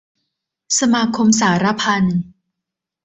สมาคมสาระพันธ์